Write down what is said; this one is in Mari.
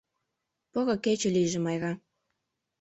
Поро кече лийже, Майра.